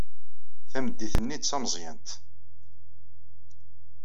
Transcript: Tamdint-nni d tameẓyant.